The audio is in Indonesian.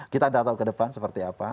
kita tidak tahu ke depan seperti apa